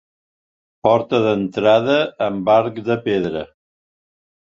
Porta d'entrada amb arc de pedra.